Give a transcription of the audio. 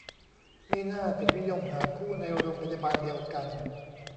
มิน่าถึงนิยมหาคู่ในโรงพยาบาลเดียวกัน